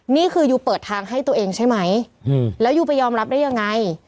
ยูเปิดทางให้ตัวเองใช่ไหมแล้วยูไปยอมรับได้ยังไง